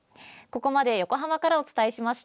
ここまで横浜からお伝えしました。